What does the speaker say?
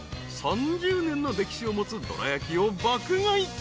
［３０年の歴史を持つどら焼きを爆買い］